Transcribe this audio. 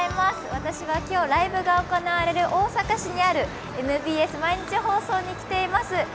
私は今日、ライブが行われる大阪市にあるＭＢＳ毎日放送に来ています。